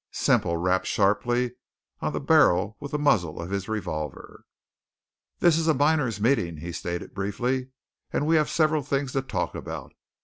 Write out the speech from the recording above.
Semple rapped sharply on the barrel with the muzzle of his revolver. "This is a miners' meeting," he stated briefly. "And we have several things to talk about.